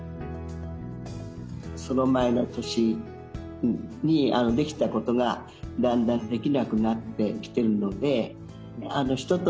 その前の年にできたことがだんだんできなくなってきてるので人と